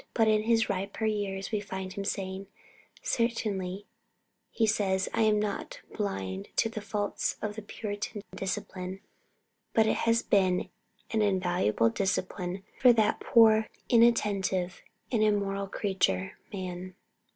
But in his riper years we find him saying: "Certainly," he says, "I am not blind to the faults of the Puritan discipline, but it has been an invaluable discipline for that poor, inattentive, and immoral creature, man.